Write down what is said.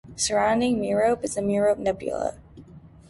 Surrounding Merope is the Merope Nebula.